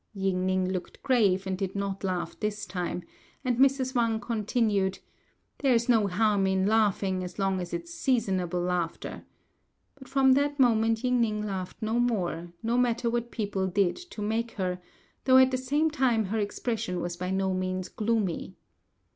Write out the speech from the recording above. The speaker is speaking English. Ying ning looked grave and did not laugh this time; and Mrs. Wang continued, "There's no harm in laughing as long as it is seasonable laughter;" but from that moment Ying ning laughed no more, no matter what people did to make her, though at the same time her expression was by no means gloomy.